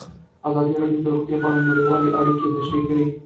ازادي راډیو د روغتیا په اړه نړیوالې اړیکې تشریح کړي.